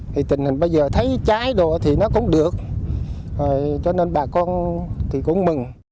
thì tình hình bây giờ thấy trái đồ thì nó cũng được cho nên bà con thì cũng mừng